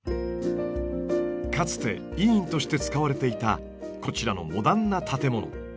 かつて医院として使われていたこちらのモダンな建物。